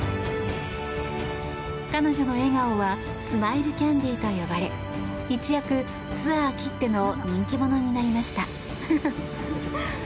彼女の笑顔はスマイルキャンディーと呼ばれ一躍、ツアーきっての人気者になりました。